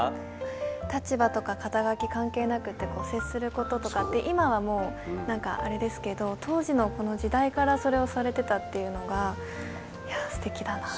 立場とか肩書関係なくてこう接することとかって今はもう何かあれですけど当時のこの時代からそれをされてたっていうのがいやすてきだなと。